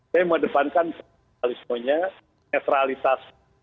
saya memerdepankan kekalismonya netralitas